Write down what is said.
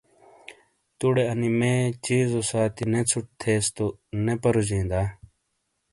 توڑے انی مے چیزو ساتی نے ژھُٹ تھیس تو نے پرُوجئیں دا؟